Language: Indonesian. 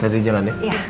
tadi jalan ya